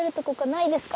「ないですか？」